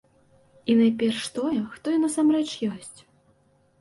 І найперш тое, хто ён насамрэч ёсць.